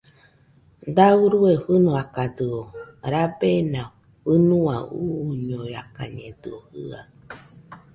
Da urue fɨnoakadɨo, rabena fɨnua uñoiakañedɨo jɨaɨ